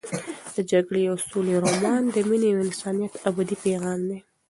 د جګړې او سولې رومان د مینې او انسانیت ابدي پیغام دی.